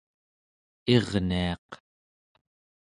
irniaq